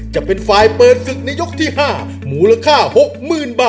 ใช่ครับ